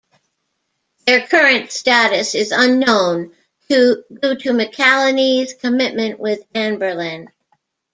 Their current status is unknown due to McAlhaney's commitment with Anberlin.